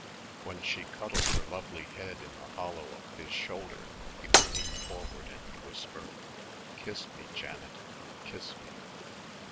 When she cuddled her lovely head in the hollow of his shoulder, he would lean forward and whisper: "Kiss me, Janet. Kiss me."